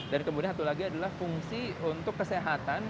dan kemudian satu lagi adalah fungsi untuk kesehatan